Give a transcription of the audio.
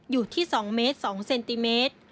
อยู่ที่๒เมตร๒เซนติเมตร